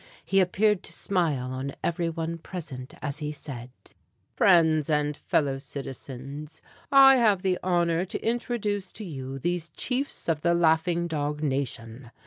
He appeared to smile on every one present as he said: "Friends and Fellow Citizens, I have the honor to introduce to you these chiefs of the Laughing Dog Nation.